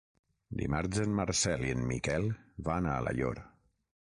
Dimarts en Marcel i en Miquel van a Alaior.